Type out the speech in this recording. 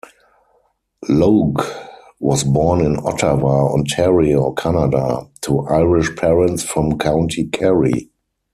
Logue was born in Ottawa, Ontario, Canada, to Irish parents from County Kerry.